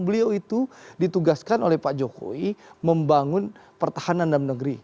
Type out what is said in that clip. beliau itu ditugaskan oleh pak jokowi membangun pertahanan dalam negeri